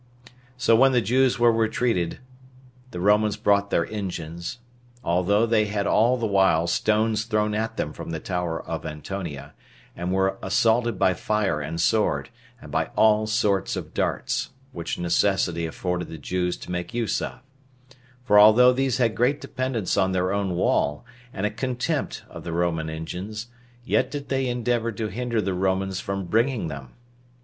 ] So when the Jews were retreated, the Romans brought their engines, although they had all the while stones thrown at them from the tower of Antonia, and were assaulted by fire and sword, and by all sorts of darts, which necessity afforded the Jews to make use of; for although these had great dependence on their own wall, and a contempt of the Roman engines, yet did they endeavor to hinder the Romans from bringing them.